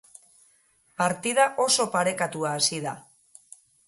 Partida oso parekatuta hasi da.